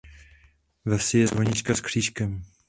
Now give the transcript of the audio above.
Ve vsi je zvonička s křížkem.